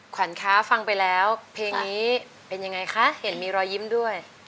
ขวัญคะฟังไปแล้วเพลงนี้เป็นยังไงคะเห็นมีรอยยิ้มด้วย